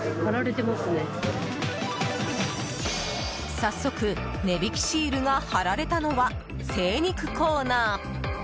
早速値引きシールが貼られたのは精肉コーナー！